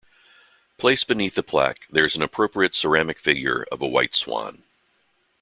Placed beneath the plaque there is an appropriate ceramic figure of a white swan.